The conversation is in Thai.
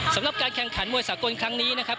สำหรับการแข่งขันมวยสากลครั้งนี้นะครับ